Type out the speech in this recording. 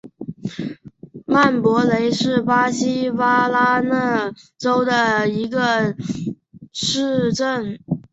曼波雷是巴西巴拉那州的一个市镇。